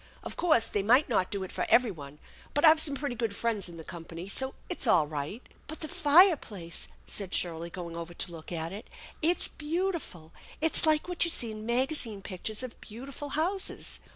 Of course they might not do it for every one, but I've some pretty good friends in the company; so it's all right." " But the fireplace !" said Shirley, going over to look at it. "It's beautiful! It's like what you see in magazine pictures of beautiful houses."